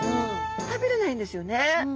食べれないんですよね。